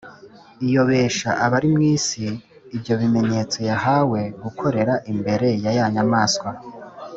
Iyobesha abari mu isi ibyo bimenyetso yahawe gukorera imbere ya ya nyamaswa,